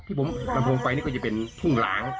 ที่ผมลำโพงไปนี่ก็จะเป็นทุ่งหลาง